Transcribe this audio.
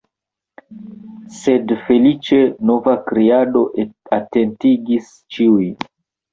Sed, feliĉe, nova kriado atentigis ĉiujn.